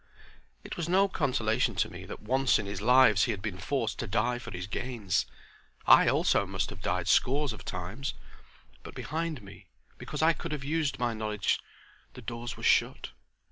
It was no consolation to me that once in his lives he had been forced to die for his gains. I also must have died scores of times, but behind me, because I could have used my knowledge, the doors were shut.